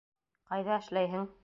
Ҡайҙа эшләйһең?